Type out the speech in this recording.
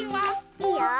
いいよ。